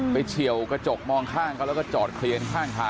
เฉียวกระจกมองข้างเขาแล้วก็จอดเคลียนข้างทาง